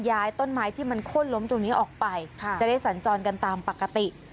ย้ายต้นไม้ที่มันโค้นล้มตรงนี้ออกไปจะได้สัญจรกันตามปกติ